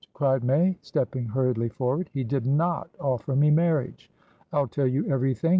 cried May, stepping hurriedly forward. "He did not offer me marriage! I'll tell you everything.